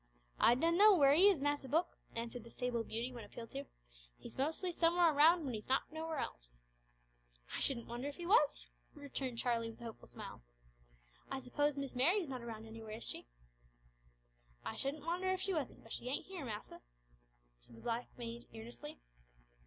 "I dun know whar he is, massa Book," answered the sable beauty when appealed to, "he's mostly somewhar around when he's not nowhar else." "I shouldn't wonder if he was," returned Charlie with a hopeful smile. "I suppose Miss Mary's not around anywhere, is she?" "I shouldn't wonder if she wasn't; but she ain't here, massa," said the black maid earnestly.